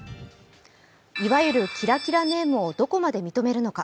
いわゆるキラキラネームをどこまで認めるのか。